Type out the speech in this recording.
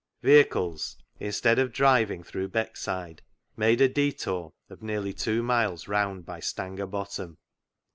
Vehicles, instead of driving through Beckside, made a detour of nearly two miles round by Stanger Bottom.